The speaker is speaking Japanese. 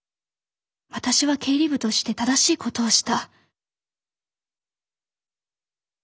私は経理部として正しいことをした。